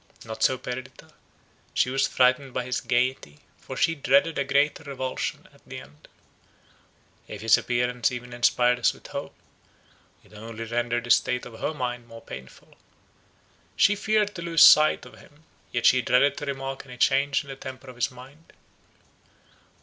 Not so Perdita. She was frightened by his gaiety, for she dreaded a greater revulsion at the end. If his appearance even inspired us with hope, it only rendered the state of her mind more painful. She feared to lose sight of him; yet she dreaded to remark any change in the temper of his mind.